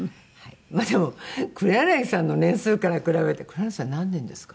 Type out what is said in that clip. でも黒柳さんの年数から比べて黒柳さん何年ですか？